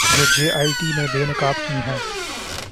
جو J I T نے بے نقاب کی ہیں